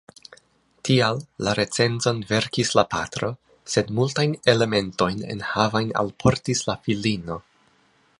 Tial la recenzon verkis la patro, sed multajn elementojn enhavajn alportis la filino.